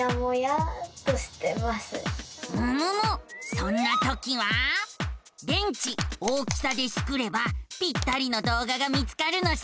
そんなときは「電池大きさ」でスクればぴったりの動画が見つかるのさ。